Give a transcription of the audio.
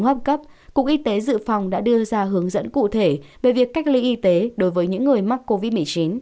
hấp cấp cục y tế dự phòng đã đưa ra hướng dẫn cụ thể về việc cách ly y tế đối với những người mắc covid một mươi chín